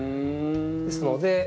ですので。